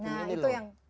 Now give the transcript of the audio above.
nah itu yang